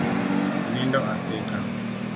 Onindo asika.